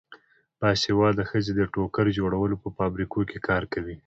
باسواده ښځې د ټوکر جوړولو په فابریکو کې کار کوي.